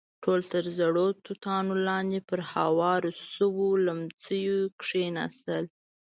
ټول تر زړو توتانو لاندې پر هوارو شويو ليمڅيو کېناستل.